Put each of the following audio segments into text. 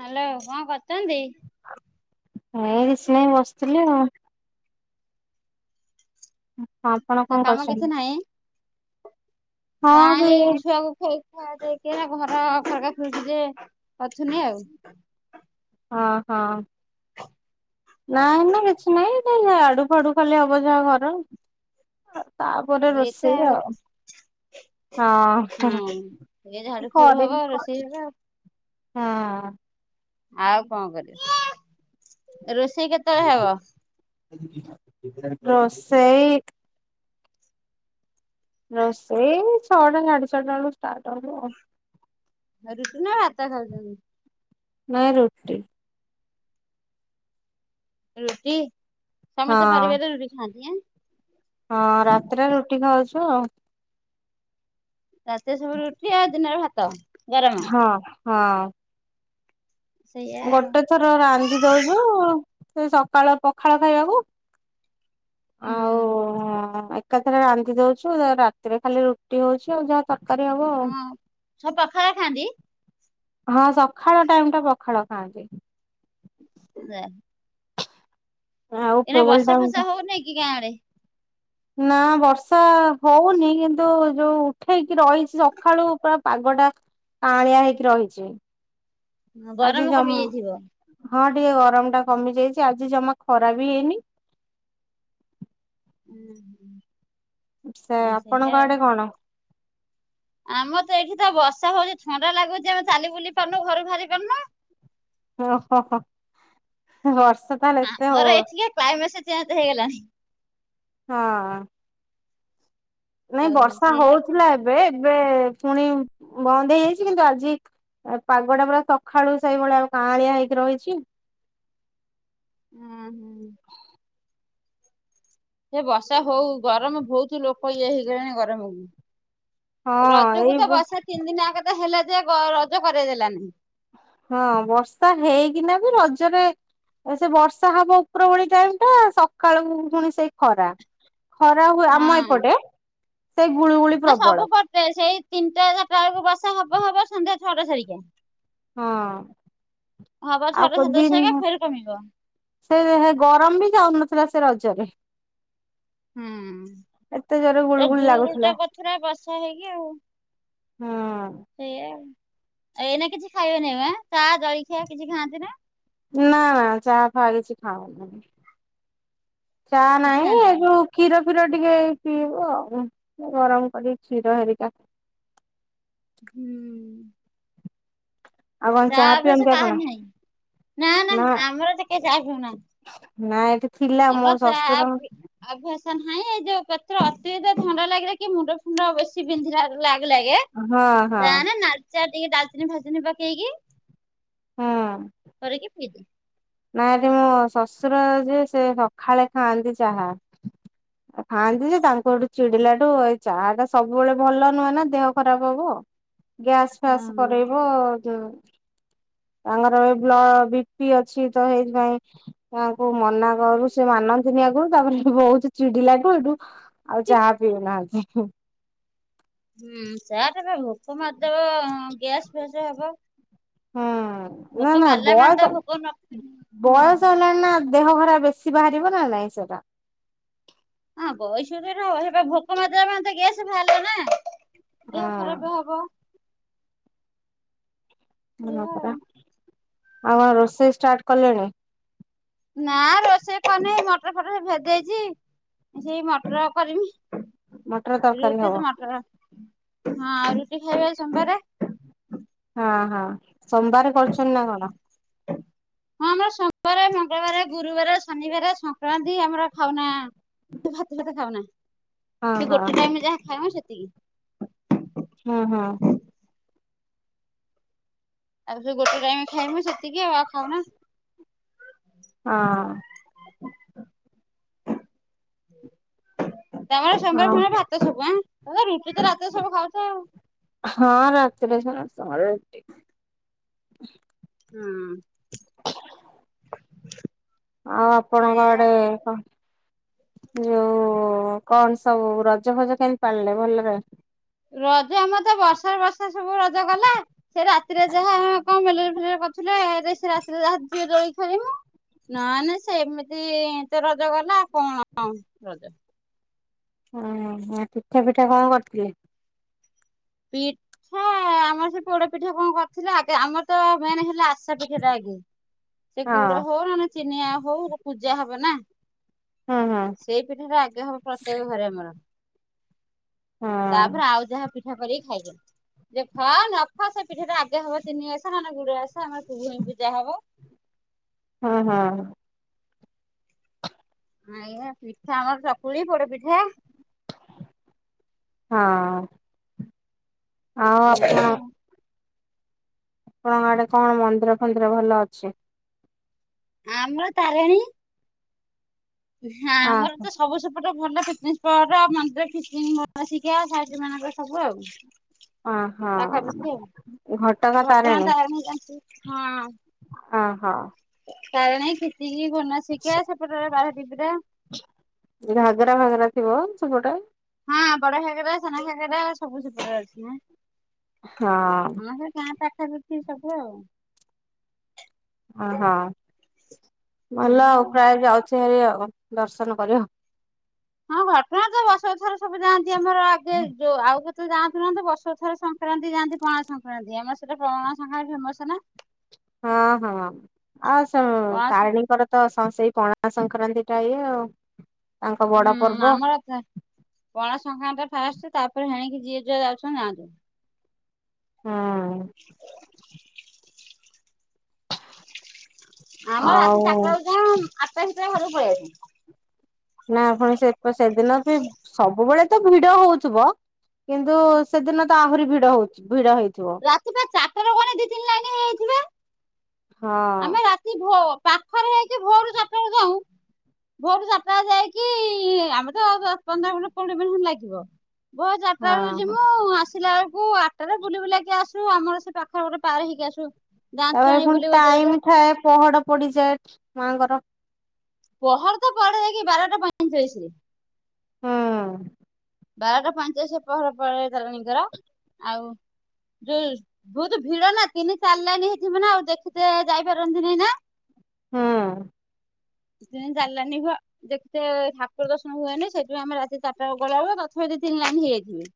Hello କଣ କରୁଚନ୍ତି? ଏଇ କିଛି ନାଇ ବସିଥିଲି ଆଉ। ହଁ ଆପଣ ତ କଣ କାମ କରୁଚନ୍ତି? ନାଁ ସେ ଏଇ ଛୁଆକୁ ଖୋଇ ଧୁଆଧୁଇ କିନା ଘର ଖରକା ଖୁରିକିରେ ଅଛନି ଆଉ। ହଁ ହଁ ନା ଆଉ କଣ ନା କିଛି ନାଇଁ ତାଲେ ଝାଡୁ ଫାଡୁ କଲେ ହବ ଯାହା ଘର। ଆଉ ତାପରେ ରୋଷେଇ ଆଉ। ହଁ ହଁ। ଏ ଝାଡୁ ଫାଡୁ ହବ କରିନି ରୋଷେଇ କରିବି। ହବ ହଁ। ଆଉ କଁ କରିବି ରୋଷେଇ କେତେବେଳେ ହବ? ରୋଷେଇ ରୋଷେଇ ଛଅଟା ସାଢେ ଛଅଟା ବେଳକୁ ଷ୍ଟାର୍ଟ ହବ ଆଉ। ରୁଟି ନା ଭାତ ଖାଉଚନ୍ତି? ନାଇ ରୁଟି। ରୁଟି ହଁ ସମସ୍ତେ ପରିବାରରେ ରୁଟି ଖାଆନ୍ତି ଏ? ହଁ ରାତିରେ ରୁଟି ଖାଉଛୁ ଆଉ। ରାତିରେ ସବୁ ରୁଟି ଆଉ ଦିନରେ ଭାତ। ଗରମ ହଁ ହଁ। ସେଇଆ ଆଉ ଗୋଟେ ଥର ରାନ୍ଧି ଦଉଚୁ ସେ ସକାଳ ପଖାଳ ଖାଇବାକୁ। ହୁଁ ଆଉ ଏକାଥରେ ରାନ୍ଧି ଦଉଚୁ ରାତିରେ ଖାଲି ରୁଟି ହଉଚି ଆଉ ଯାହା ତରକାରୀ ହବ ଆଉ। ହଁ। ସବୁ ପଖାଳ ଖାଆନ୍ତି। ହଁ ସଖାଳ ଟାଇମ ଟା ପଖାଳ ଖାଆନ୍ତି। ନା। ଆଉ ଏଇନା ପ୍ରବଳ ବର୍ଷା ଟାଇମ ଟା ଫସା ହଉନାଇ କି ଗାଁ ଆଡେ? ନା ବର୍ଷା ହଉନି କିନ୍ତୁ ଯୋଉ ଉଠେଇକି ରହିଛି ସକାଳୁ ପୁରା ପାଗଟା କାଆଁଳିଆ ହେଇକି ରହିଛି ଗରମ ଆଜି କମି ଜମ୍ ଯାଇଥିବ। ହଁ ଟିକେ ଗରମ ଟା କମି ଯାଇଚି ଆଜି ଜମା ଖରା ବି ହେଇନି। ହୁଁ ହୁଁ। ସେ ଆପଣଙ୍କ ଆଡେ କଣ? ଆମର ତ ଏଇଠି ତ ବର୍ଷ ହଉଛି ଥଣ୍ଡା ଲାଗୁଚି ଆମେ ଚାଲି ବୁଲି ପାରୁନୁ ଘରୁ ବାହାରି ପାରୁନୁ। ଓ ହୋ ହୋ ଏ ବର୍ଷା ତାହେଲେ ଏତେ ଆମର ହଉ ଏଠିକା କ୍ଲାଇମେସେ ଚେଞ୍ଜ ହେଇଗଲାଣି। ହଁ। ନାଇଁ ଆଉ ବର୍ଷା ସେଇଆ ହଉଥିଲା ଏବେ ଏବେ ପୁଣି ବନ୍ଦ ହେଇଯାଇଚି କିନ୍ତୁ ଆଜି ଆଉ ପାଗଟା ପୁରା ସଖାଳୁ ସେଇଭଳିଆ କାଆଁଳିଆ ହେଇକି ରହିଛି। ଉଁ ହୁଁ ଏ ବର୍ଷା ହଉ ଗରମ ବହୁତ ଲୋକ ଇଏ ହେଇଗଲେଣି ଗରମକୁ। ହଁ ଏଇ ରଜକୁ ତ ବର୍ଷା ତିନି ଦିନ ଯାକ ତ ହେଲା ଯେ ଗ ରଜ କରେଇ ଦେଲାନି। ହଁ ବର୍ଷା ହେଇକିନା ବି ରଜରେ ଏ ସେ ବର୍ଷା ହବ ଉପର ଉଳି ଟାଇମ୍ ଟା ସକାଳୁ ପୁଣି ସେଇ ଖରା। ଖରା ହୁଏ ଆମ ହଁ ଏପଟେ ସେ ଗୁଳୁଗୁଳି ପ୍ରବଳ। ସେ ସେଇ ତିନିଟା ଚାରିଟା ବେଳକୁ ବର୍ଷା ହବ ହବ ସନ୍ଧ୍ୟା ଛଅଟା ସାଡିକା ହଁ ହବ ଆଉ ଛଅଟା କୋଉ ସାତ [inaudible] ଦିନ ଫେରେ କମିଯିବ। ସେ ଗରମ ବି ଯାଉନଥିଲା ସେ ରଜରେ। ହୁଁ ଏତେ ଜୋରେ ଏ ଗୁଳୁଗୁଳି ଲାଗୁଥିଲା ଟା କରୁଥିଲା ବର୍ଷା ହେଇକି ଆଉ। ହୁଁ। ସେଇଆ ଆଉ ଏଇନା କିଛି ଖାଇବେନି ବା ଚା ଜଳଖିଆ କିଛି ଖାଆନ୍ତି ନା। ନା ଚା ଫା କିଛି ଖାଉନୁ ଚା କିଛି ନାହିଁ ଏ ଖାଆନ୍ତିନି। ଯୋଉ କ୍ଷୀର ଫିର ଟିକେ ପିଇବୁ ଆଉ ଗରମ କରିକି କ୍ଷୀର ହେରିକା। ହୁଁ। ଆଉ କଣ ଚା ଚାହା ଅଭ୍ୟାସ ପିଅନ୍ତି କାହାର ଆପଣ? ନାହିଁ ନା ନା ଆମର ଏତେ କେଇ ଚା ପିଉନାହାନ୍ତି। ନା ଏଇଠି ଥିଲା ମୋ ଶଶୁର ଅଭ୍ୟସ ନାହିଁ ଏ ଯୋଉ କେତ୍ର ଅତ୍ୟଧିକ ଥଣ୍ଡା ଲାଗିଲା କି ମୁଣ୍ଡ ଫୁଣ୍ଡ ବେଶି ବିନ୍ଧିଲା ଲାଗେ ଲାଗେ ହଁ ହଁ ତାହେନେ ନାଲି ଚା ଟିକେ ଡାଲଚିନି ଫାଲଚିନି ପକେଇକି ହୁଁ। କରିକି ପିଇଦିଏ। ନା ଯେ ମୋ ଶଶୁର ଯିଏ ସିଏ ସଖାଳେ ଖାଆନ୍ତି ଚାହା। ଖାଆନ୍ତି ଯେ ତାଙ୍କୁ ହେଠୁ ଚିଡିଲାଠୁ ଏଇ ଚାହା ଟା ସବୁବେଳେ ଭଲ ନୁହେଁ ନା ଦେହ ଖରାପ ହବ। ଗ୍ୟାସ୍ ଫ୍ୟାସ୍ ହଁ। କରେଇବ ଯୋ ତାଙ୍କର ବ୍ଲ ବିପି ଅଛି ତ ହେଇଥିପାଇଁ ତାଙ୍କୁ ମନା କରୁ ସେ ମାନନ୍ତିନି ଆଗରୁ ତାପରେ ସେଠୁ ବହୁତ ଚିଡି ଲାଠୁ ଏଠୁ ଆଉ ଚାହା ପିଉନାହାନ୍ତି। ହୁଁ ଚାଆ ଟା ପା ଭୋକ ମାରିଦବ ଗ୍ୟାସ୍ ଫ୍ୟାସ୍ ହବ। ଭୋକ ନା ନା ମାରିଲା ମାନେ ତ ବୟସ ଭୋକ ନ ହଁ। ବୟସ ହେଲାଣି ନା ଦେହ ଖରାପ ବେଶି ବାହାରିବ ନା ନାଇଁ ସେଟା। ହଁ ବୟସ ସେ ପା ଭୋକ ମାରିଦବ ମାନେ ତ ଗ୍ୟାସ୍ ଭାରିଲା ନା। ଦେହ ଖରାପ ହବ। ହଁ ଏଇଆ ପରା, ଆଉ। ଆଉ କଣ ରୋଷେଇ ଷ୍ଟାର୍ଟ କଲେଣି? ନା ରୋଷେଇ କରିନେଇ ମଟର ଫଟର ଭେଦେଇଚି ସେଇ ମଟର କରିମି। ମଟର ତରକାରୀ ରୁଟି ହବ ତ ମଟର ହଁ ରୁଟି ଖାଇବା ଆଜି ସୋମବାରେ। ହଁ ହଁ ସୋମବାରେ କରୁଚନ୍ତି ନାଁ କଣ? ହଁ ଆମର ସୋମବାରେ, ମଙ୍ଗଳବାରେ, ଗୁରୁବାରେ ଶନିବାରେ ସଂକ୍ରାନ୍ତି ଆମର ଖାଉନା ଭାତ ଫାତ ଖାଉନା ହଁ ସେ ହଁ ଗୋଟେ ଟାଇମି ଯାହା ଖାଇମୁ ସେତିକି। ହଁ ହଁ। ଆଉ ସେ ଗୋଟେ ଟାଇମ୍ ଖାଇମି ସେତିକି ଆଉ ଆଉ ଖାଉ ନା। ହଁ ତମର ସୋମବାର ପୁଣି ହଁ ଭାତ ସବୁଁ ତ ରୁଟି ତ ରାତି ସବୁ ଖାଉଛ ଆଉ। ହଁ ରାତି ରେ [unintelligible] ହୁଁ ଆଉ ଆପଣଙ୍କଆଡେ ସେଇଆ। କ ଯୋଉ କଣ ସବୁ ରଜ ଭଜ କେମିତି ପାଳିଲେ ଭଲରେ। ରଜ ଆମର ତ ବର୍ଷା ବର୍ଷା ସବୁ ରଜ ଗଲା। ସେ ରାତିରେ ଯାହା କଣ [unintelligible] କରୁଥିଲେ ସେ ରାତିରେ ଯାହା ଟିକେ ଦୋଳି ଖେଳିମୁଁ। ନା ନାଇଁ ସେ ଏମିତି ତ ରଜ ଗଲା କଣ ଆଉ ରଜ। ଓ ହୋ ପିଠା ପିଠା କଣ କରିଥିଲେ? ପିଠା ଆମର ସେ ପୋଡ ପିଠା କଣ କରିଥିଲା ଆମର ତ ମେନ୍ ହେଲା ଆ ବସା ପିଠାଟା ଆଗେ ସେ ଗୁଡ ହଁ ହଉ ନ ଚିନିଆ ହଉ ପୂଜା ହବ ନାଁ। ହଁ ହଁ ସେଇ ପିଠାରେ ଆଗେ ହବ ପ୍ରତ୍ୟେକ ଘରେ ଆମର ହଁ ତାପରେ ଆଉ ଯାହା ପି ପିଠା କରିକି ଖାଇଦିଅ। ଯେ ଫ ନଫା ସେ ପିଠିରେ ଆଗେ ହବ ତିନି ଆସ ନ ଗୋଡେ ଆସ ଆମର ଭୂମୀ ପୂଜା ହବ। ହଁ ହଁ ଆଇୟା ପିଠା ଆମର ଚକୁଳି ପୋଡ ପିଠା। ହଁ ଆଉ ଏଇଆ ଆପଣ? ଆଉ ଆପଣଙ୍କ ଆଡେ କଣ ମନ୍ଦିର ଫନ୍ଦିର ଭଲ ଅଛି? ଆମର ତାରିଣୀ। ହାଁ ଅ ଆମର ତ ସବୁ ଟେ ଭଲ ପିକନିକ୍ ସ୍ପଟ ମନ୍ଦିର ଫ ଶିକା ସା୍ରୀ ମାନଙ୍କର ସବୁ ଆଉ। ହଁ ହଁ ପାଖାପୁଖି ଘଟଗାଁ ଆଉ ତାରିଣୀ ଘଟଙ୍ଗାଟା ତ [unintelligible] ହଁ ହଉ। କାରଣ କିଚିଙ୍ଗ୍ ବୋନଶିକା ସେପଟେ ବାହାରା ଟିପ୍ ରା। ଘାଗରା ଫାଗରା ଥିବ ସେପଟେ। ହଁ ବଡଘାଗରା ସାନ ଘାଗରା ସବୁ ସେପଟରେ ଅଛି ନାଁ। ହଁ ଆମର ଗାଁ ପାଖାପାଖି ସବୁ ଆଉ। ଓହୋ ଭଲ ଆଉ ପ୍ରାୟ ଯାଉଛି ହେରି ଆଉ ଦର୍ଶନ କରିବ। ହଁ ଘଟଣା ତ ବର୍ଷ ଥର ସବୁ ଯାଆନ୍ତି ଆମର ଆଗେ ଯୋଉ ଆଉ ତ ଯାଆନ୍ତୁ ନାହା ତ ବର୍ଷ ଥରେ ସଂକ୍ରାନ୍ତି ଯାଆନ୍ତି ପଣା ସଂକ୍ରାନ୍ତି ଆମର ସେଟ ପଣା ସଂକ୍ରାନ୍ତି ଫେମସନା। ହଁ ହଁ ଆଉ ସ ପଣା ସଂ ତାରିଣୀଙ୍କର ତ ସେଇ ପଣା ସଂକ୍ରାନ୍ତି ଟା ଇଏ ଆଉ। ତାଙ୍କ ବଡ ହୁଁ ପର୍ବ ଆମର ତ ପଣା ସଂକ୍ରାନ୍ତି ଫାଷ୍ଟ ତାପରେ ହେଣିକି ଯିଏ ଯୁଆଡେ ଯାଉଚନ୍ତି ଥାନ୍ତୁ। ହଁ ଆମର ରାତି ଆଉ ଚାରିଟା ବ ଯ ଆଠଟା ଭିତରେ ଘର ପଳେଇ ଆସିବ। ନା ପଣି ସେ ସେଦିନ ବି ସବୁବେଳେ ତ ଭିଡ ହଉଥିବ। କିନ୍ତୁ ସେଦିନ ତ ଆହୁରି ଭିଡ ହଉ ଭିଡ ହେଇଥିବ। ରାତି ପା ଚାରିଟା ରେ ଗଲେ ଦି ତିନ ଲାଗ ହେଇଯାଇଥିବେ ହଁ ଆମେ କି ଭୋ- ପାଖରେ ହେଇକି ଭୋରୁ ଚାଟାବେଳେ ଯାଉଁ, ଭୋ [unintelligible] ଚାଟା ରେ ଯାଇକି ଆମେ ତ ଦଶ ପନ୍ଦର ମିନିଟ୍ କୋଡିଏ ମିନିଟ୍ ଖଣ୍ଡେ ଲାଗିବ। ଭୋରୁ ଚାଟାବେଳେ ହଁ ଯିମୁ ମୁଁ ଆସିଲା ବେଳକୁ ଆଟାରେ ବୁଲିବୁଲା କି ଆସୁ, ଆମର ସେ ପାଖ ଘରେ ପାର ହେଇକି ଆସୁ। ତାପରେ ଦାନ୍ତୁଆଣୀ ପୁଣି ବୋଲି ଗୋଟେ ଜାଗାଟା ଟାଇମ ଥାଏ ପହଡ ପଡିଯାଏ ମାଙ୍କର। ପହଡ ତ ପଡେ ଯାଇକି ବାରଟା ପଇଁଚାଳିଶ ରେ। ହଁ। ବାରଟା ପାଞ୍ଚ ସେ ପହର ପକେଇ ଦେଲେଣିକର ଆଉ [unintelligible] ବହୁତୁ ଭିଡ ନା ତିନି ଚାର ଲାଇନ୍ ହେଇଥିବ ନା ଆଉ ଦେଖିତେ ଯାଇପାରନ୍ତି ନାଇଁ ନା। ହଁ। ଟ୍ରେନ୍ ଚାଲଲାନି ପା, ଦେଖ ତ ଠାକୁର ଦର୍ଶନ ହୁଏନି ସେଥିପାଇଁ ଆମେ ରାତି ଚାଟାବେଳେ ଗଲାବେଳେ ରଥରେ ତିନି ଲାଇନ୍ ହେଇଯାଇଥିବେ।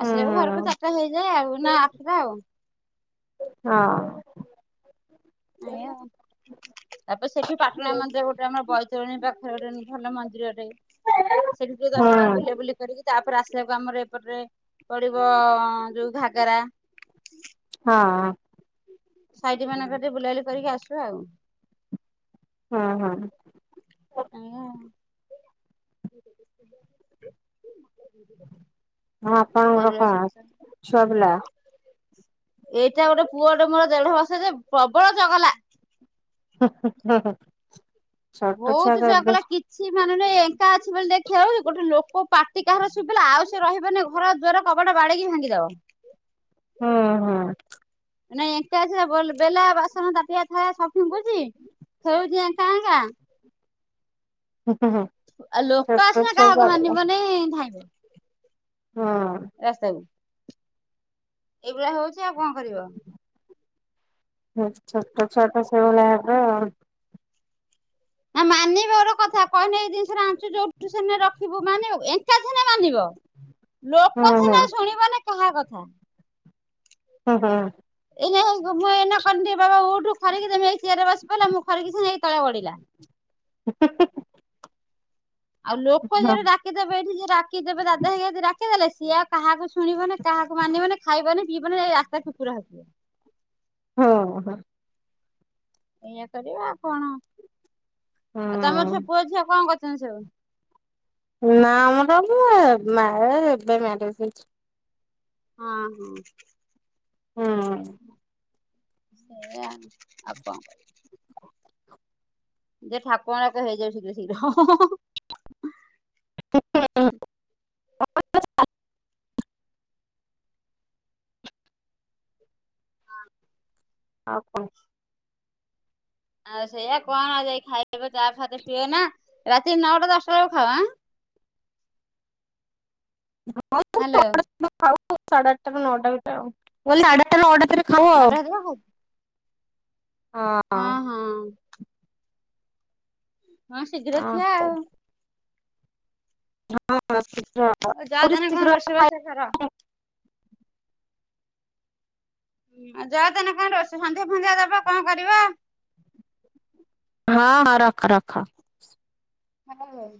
ହଁ ଆସିଲାବେଳେ ଘରକୁ ଚାଟା ହେଇଯାଏ ଆଉ ନା ଆଠଟା ଆଉ। ହଁ। ଆଇଅ ତାପରେ ସେଇଠୁ ପାଟଣା ମନ୍ଦିର ଗୋଟେ ଆମର ବୈତରଣୀ ପାଖରେ ଗୋଟେ [unintelligible] ଭଲ ମନ୍ଦିର ଟେ। ସେଠି ଟିକେ ହୁଁ ଦର୍ଶନ ବୁଲା ବୁଲି କରିକି ତାପରେ ଆସିଲାକୁ ଆମର ଏପଟ ରେ ପଡିବ ଯୋଉ ଘାଗରା ହଁ। ସାଇଟି ମାନଙ୍କରେ ଟିକେ ବୁଲାବୁଲି କରିକି ଆସୁ ଆଉ। ହଁ, ହଁ। ଏଇଆ। ହଁ ଆପଣଙ୍କର କଣ ଛୁଆ ପିଲା? ଏଇଟା ଗୋଟେ ପୁଅ ଗୋଟେ ମୋର ଦେଢ ବର୍ଷ ଯେ ପ୍ରବଳ ଚଗଲା। ହୋ ହୋ ଓହୋ, ଛୋଟ ଛୁଆଙ୍କ [unintelligible] ସି ମାନୁନି ଏଙ୍କା ଅଛି ବୋଲି ଦେଖିବ ଏ ଗୋଟେ ଲୋକ ପାଟି କାହାର ଶୁଭିଲା ଆଉ ସେ ରହିବନି। ଘର ଦ୍ବାର କବାଟ ବାଡେଇକି ଭାଙ୍ଗିଦବ। ହଁ, ହଁ। ନାଇଁ ଏଙ୍କା ଅଛି ସ-ବଲ ବେଲା ବାସନ ତାଟିଆ ଥାଳା ସବ୍ ଫିଙ୍ଗୁଛି। ଥୋଉଛି ଏଙ୍କା ଏଙ୍କା। ହଁ କହ। ଆଉ ଲୋକ ଆସିନେ କାହାକୁ ମାନିବନି ଧାଇଁବ ହଁ। ରାସ୍ତାକୁୁ। ଏଇଭଳିଆ ହଉଛି ଆଉ କଣ କରିବ। ହଁ ଛୋଟ ଛୁଆ ତ ସେଇଭଳିଆ ହବ। ନା ମାନିବର କଥା କହିଲେ ଏଇ ଜିନିଷ ଟା ଆଣିଛୁ ଯୋଉଠୁ ସେଇଠି ନେଇ ରଖିବୁ ମାନିବ, ଏଙ୍କା ଥିନେ ମାନିବ। ଲୋକ ଥିନେ ଶୁଣିବନି କାହା କଥା। ହଁ, ହଁ। ଏଇନାକ ମୁଁ ଏଇନା କହିନି ଟିକେ ବାବା ଉଠୁ ଖରିକି ଦେମି ଏଇ ଚିଆର ବସି ପଇଲା ମୁଁ ଖରିକି [unintelligible] ଏଇ ତଳେ ଗଡିଲା। ହୋ ହୋ ହୋ। ଆଉ ଲୋକ ଯଦି ଡା କିଦେବେ ଏଇଠି ଯିଏ ଡାକିଦେବେ ଦାଦା ହେକା ଯ ଡାକିଦେଲେ ସିଏ ଆଉ କାହାକୁ ଶୁଣିବନା, କାହାକୁ ମାନିବନି, ଖାଇବନିି, ପିଇବନି ଯାଇ ରାସ୍ ତା କୁକୁର ହଗିବ। ହଁ, ହଁ। ଏଇଆ କରିବ ଆଉ କଣ। ଆଉ ତୋମର ହୁଁ ସବୁ ପୁଅ ଝିଅ କଣ କରୁଛନ୍ତି ସବୁ? ନା ଆମର ଏବେ ମା- ଏ ଏବେ ମ୍ୟାରେଜ୍ ହେଇଛି। ହଁ ହୁଁ। ହୁଁ। ଏଇଆ ଆଉ। ଆଉ କଣ କରିଆ? ଯେ ଠାକୁରଙ୍କୁ ଡାକ ହେଇଯାଉ ଶୀଘ୍ର ଶୀଘ୍ର। [unintelligible] ହଁ। ଆଉ କଣ? [inaudible] ଆଉ ସେଇଆ କଣ ଆଉ ଯାଇ ଖାଇବ। ଚା ଫା ତ ପିଏ ନା। ରାତି ନଅଟା ଦଶଟା ବେଳକୁ ଖାଅ ଆଁ? [unintelligible] ସାଢେ ଆଠଟା ହ୍ୟାଲୋ ରୁ ନଅଟା ଭିତରେ ଆଉ। ମୁଁ କହିଲି ସାଢେ ଆଠଟା ରୁ ନଅଟା ଭିତରେ ଖାଉ ନଅଟା [inaudible] ହେଲା ହଉ। ହଁ। ଅଁ ହଁ। ହଁ ଶୀଘ୍ର ଖିଆ ଆଉ। ହଁ [unintelligible] ଖରା ଯାଦିନ [inaudible] କଣ ର ସନ୍ଧ୍ୟା ଫନ୍ଧ୍ୟା ଦେବ କଣ କରିବ। ହଁ ହଁ ରଖ ରଖ। ହଉ [inaudible]